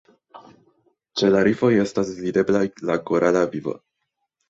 Ĉe la rifoj estas videblaj la korala vivo.